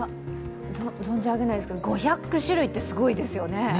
存じ上げないですけど５００種類ってすごいですよね。